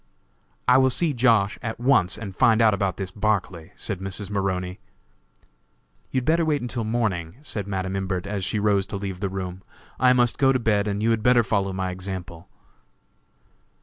"I will see Josh. at once, and find out about this Barclay," said Mrs. Maroney. "You had better wait till morning," said Madam Imbert, as she rose to leave the room; "I must go to bed, and you had better follow my example."